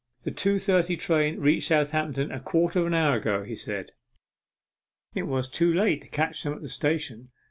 'The two thirty train reached Southampton a quarter of an hour ago,' he said. It was too late to catch them at the station.